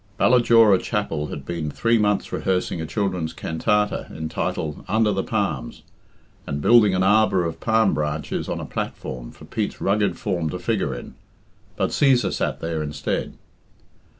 Ballajora Chapel had been three months rehearsing a children's cantata entitled "Under the Palms," and building an arbour of palm branches on a platform for Pete's rugged form to figure in; but Cæsar sat there instead.